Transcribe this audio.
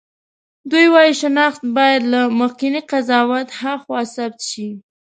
دوی وايي شناخت باید له مخکېني قضاوت هاخوا ثبت شي.